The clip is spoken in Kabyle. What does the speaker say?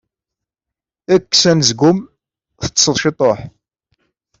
Kkes anezgum teṭṭseḍ ciṭuḥ!